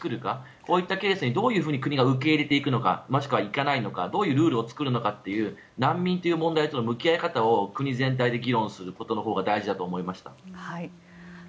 こういったケースにどういうふうに国が受け入れるのかもしくは受け入れないのかどういうルールを作るのかという難民という問題との向き合い方を国全体で議論することが大事だと思いました。